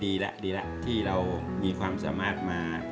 ดีแล้วดีแล้วที่เรามีความสามารถมา